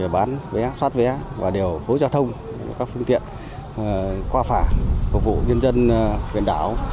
bán vé xoát vé và điều phối giao thông các phương tiện qua phả phục vụ nhân dân huyện đảo